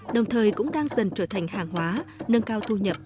đồng thời cũng đang dần trở thành hàng hóa nâng cao thu nhập